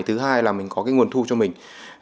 thứ hai là mình có cái nguồn thu cho mình